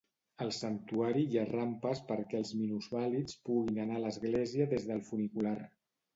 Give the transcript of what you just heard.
Al Santuari hi ha rampes perquè els minusvàlids puguin anar a l'Església des del Funicular.